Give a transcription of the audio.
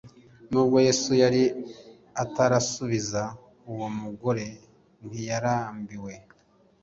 Nubwo Yesu yari atarasubiza, uwo mugore ntiyarambiwe.